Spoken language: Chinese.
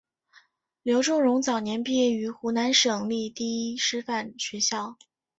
刘仲容早年毕业于湖南省立第一师范学校。